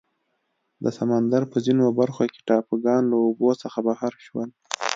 د سمندر په ځینو برخو کې ټاپوګان له اوبو څخه بهر شول.